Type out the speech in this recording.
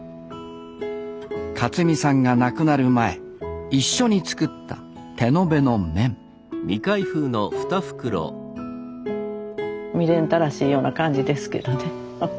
克己さんが亡くなる前一緒に作った手延べの麺未練たらしいような感じですけどね